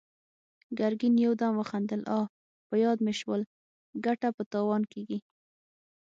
ګرګين يودم وخندل: اه! په ياد مې شول، ګټه په تاوان کېږي!